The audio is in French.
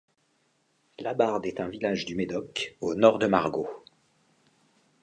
Labarde est un village du Médoc au nord de Margaux.